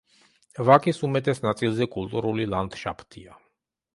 ვაკის უმეტეს ნაწილზე კულტურული ლანდშაფტია.